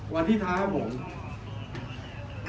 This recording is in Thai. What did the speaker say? วันทิศาสตร์ครับผม